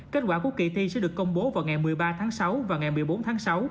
kết quả của kỳ thi sẽ được công bố vào ngày một mươi ba tháng sáu và ngày một mươi bốn tháng sáu